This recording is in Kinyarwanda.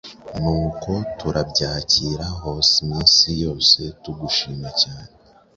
Nuko turabyakira hose iminsi yose, tugushima cyane.”